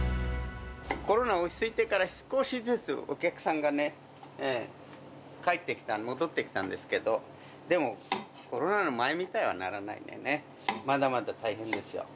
コロナが落ち着いてから、少しずつ、お客さんがね、帰ってきた、戻ってきたんですけど、でも、コロナの前みたいにはならないん